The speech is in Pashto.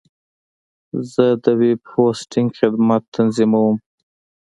زه د ویب هوسټنګ خدمت تنظیموم.